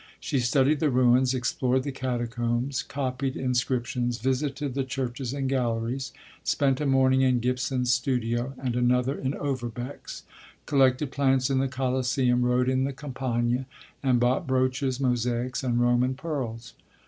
She studied the ruins; explored the catacombs; copied inscriptions; visited the churches and galleries; spent a morning in Gibson's studio and another in Overbeck's; collected plants in the Colosseum; rode in the Campagna, and bought brooches, mosaics, and Roman pearls.